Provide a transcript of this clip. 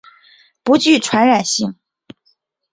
不具有传染性。